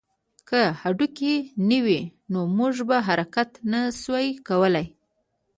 که هډوکي نه وی نو موږ به حرکت نه شوای کولی